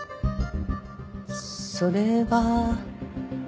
それは。